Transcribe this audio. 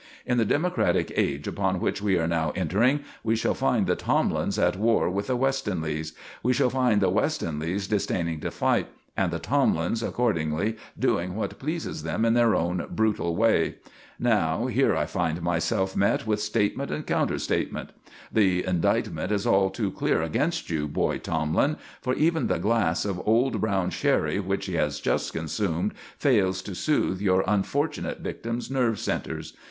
In the democratic age upon which we are now entering, we shall find the Tomlins at war with the Westonleighs; we shall find the Westonleighs disdaining to fight, and the Tomlins accordingly doing what pleases them in their own brutal way. Now, here I find myself met with statement and counter statement. The indictment is all too clear against you, boy Tomlin, for even the glass of old brown sherry which he has just consumed fails to soothe your unfortunate victim's nerve centres.